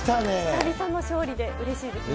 久々の勝利でうれしいですね。